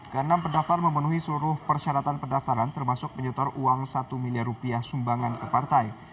ke enam pendaftar memenuhi seluruh persyaratan pendaftaran termasuk menyetor uang satu miliar rupiah sumbangan ke partai